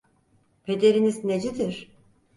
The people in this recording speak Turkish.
Pederiniz necidir?